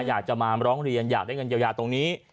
อยากจะมาร้องเรียนอยากได้เงินเยียวยาตรงนี้